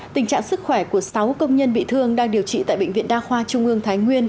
tình trạng sức khỏe của sáu công nhân bị thương đang điều trị tại bệnh viện đa khoa trung ương thái nguyên